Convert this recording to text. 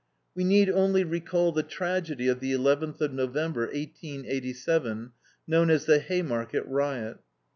We need only recall the tragedy of the eleventh of November, 1887, known as the Haymarket Riot.